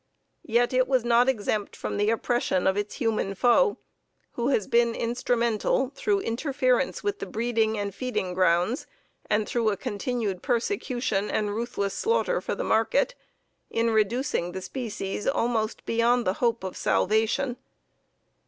Yet it was not exempt from the oppression of its human foe, who has been instrumental, through interference with the breeding and feeding grounds and through a continued persecution and ruthless slaughter for the market, in reducing the species almost beyond the hope of salvation.